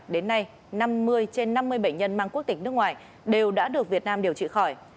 đến nay năm mươi trên năm mươi bệnh nhân mang quốc tịch nước ngoài đều đã được việt nam điều trị khỏi